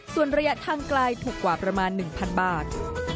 ส่วนระยะทางไกลถูกกว่าประมาณ๑๐๐บาท